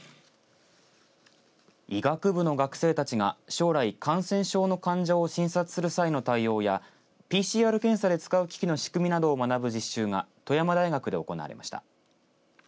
医学部の学生たちが将来、感染症の患者を診察する際の対応やＰＣＲ検査で使う機器の仕組みなどを学ぶ実習が富山大学で行われました。